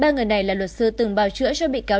ba người này là luật sư từng bào chữa cho bị can vân